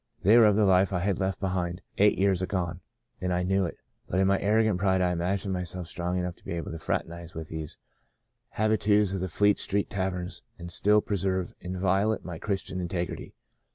They were of the life I had left behind eight years agone — and I knew it. But in my arrogant pride I imagined myself strong enough to be able to fraternize with these The Second Spring 179 habitues of the Fleet Street taverns and still preserve inviolate my Christian integrity.